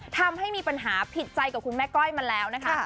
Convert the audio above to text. ทำให้มีปัญหาผิดใจกับคุณแม่ก้อยมาแล้วนะคะ